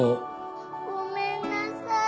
ごめんなさい